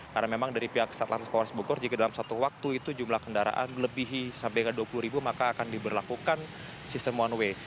karena memang dari pihak satlanis power spokor jika dalam suatu waktu itu jumlah kendaraan lebihi sampai ke dua puluh ribu maka akan diberlakukan sistem one way